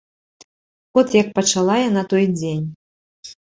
От як пачала яна той дзень.